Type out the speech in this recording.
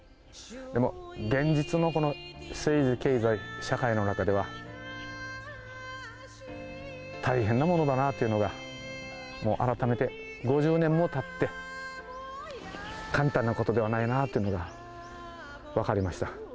でも、現実のこの政治、経済、社会の中では、大変なものだなっていうのが、もう改めて、５０年もたって、簡単なことではないなというのが、分かりました。